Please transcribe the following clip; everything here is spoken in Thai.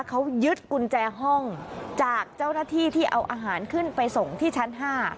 เขายึดกุญแจห้องจากเจ้าหน้าที่ที่เอาอาหารขึ้นไปส่งที่ชั้น๕